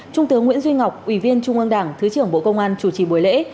trung tướng nguyễn duy ngọc ủy viên trung ương đảng thứ trưởng bộ công an chủ trì buổi lễ